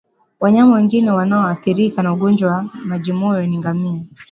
Wanyama wengine wanaoathirika na ugonjwa wa majimoyo ni ngamia